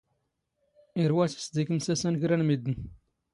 ⵉⵔⵡⴰⵙ ⵉⵙ ⴷⵉⴽ ⵎⵙⴰⵙⴰⵏ ⴽⵔⴰ ⵏ ⵎⵉⴷⴷⵏ.